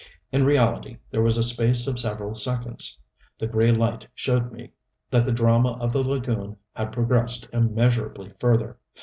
In reality there was a space of several seconds the gray light showed me that the drama of the lagoon had progressed immeasurably further.